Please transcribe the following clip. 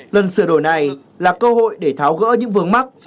lần sửa đổi này là cơ hội để tháo gỡ những vướng mắt